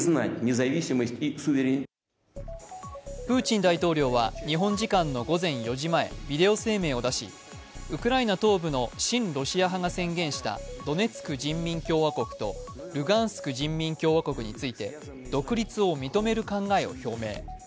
プーチン大統領は日本時間の午前４時前、ビデオ声明を出し、ウクライナ東部の親ロシア派が宣言したドネツク人民共和国とルガンスク人民共和国について、独立を認める考えを表明。